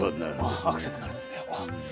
あっアクセントになるんですね。